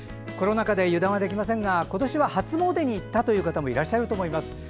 コロナ禍で油断はできませんが今年は初詣に行ったという方もいらっしゃると思います。